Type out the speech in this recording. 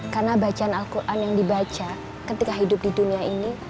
karena bacaan al quran yang dibaca ketika hidup di dunia ini